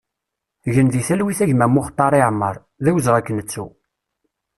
Gen di talwit a gma Muxtari Amar, d awezɣi ad k-nettu!